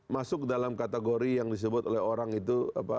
masuk dalam kategori yang disebut oleh orang itu